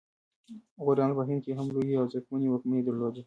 غوریانو په هند کې هم لویې او ځواکمنې واکمنۍ درلودې